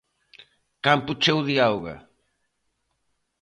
Campo cheo de auga.